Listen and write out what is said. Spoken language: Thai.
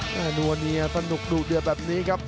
นัวเนียสนุกดูเดือดแบบนี้ครับ